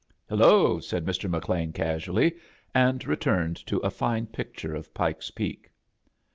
"Hellol" said RL . McLean, casoaUy, and returned to a fine picture; of Pike's Peak.